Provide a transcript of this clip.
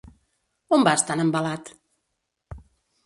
On vas tan embalat?